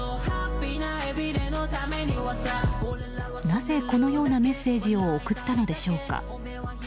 なぜ、このようなメッセージを送ったのでしょうか。